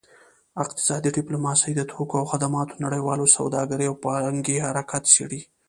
اقتصادي ډیپلوماسي د توکو او خدماتو نړیواله سوداګرۍ او پانګې حرکت څیړي